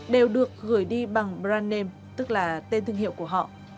đều được gửi đi bằng brand name tức là tên thương hiệu của họ